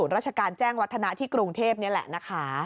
ราชการแจ้งวัฒนะที่กรุงเทพนี่แหละนะคะ